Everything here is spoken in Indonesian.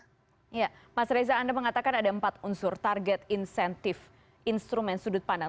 ya mas reza anda mengatakan ada empat unsur target insentif instrumen sudut pandang